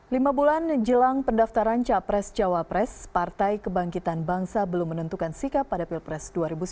lima bulan jelang pendaftaran capres cawapres partai kebangkitan bangsa belum menentukan sikap pada pilpres dua ribu sembilan belas